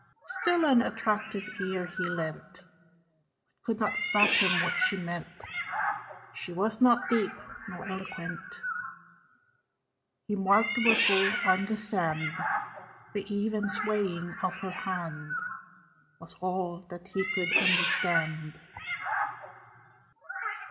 Still an attentive ear he lent But could not fathom what she meant: She was not deep, nor eloquent. He marked the ripple on the sand: The even swaying of her hand Was all that he could understand.